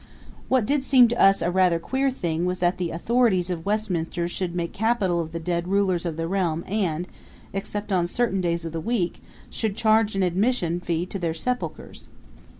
What did seem to us rather a queer thing was that the authorities of Westminster should make capital of the dead rulers of the realm and, except on certain days of the week, should charge an admission fee to their sepulchers.